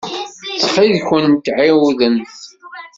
Ttxil-kent ɛiwdemt.